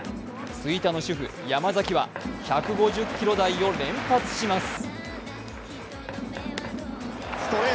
吹田の主婦、山崎は１５０キロ台を連発します。